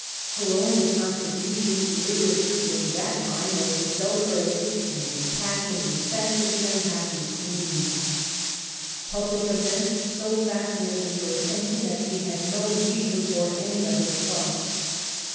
Her only contribution to literature during that time was her celebrated and impassioned defence of the unhappy Queen. Public events so fascinated her attention that she had no leisure for any other thought.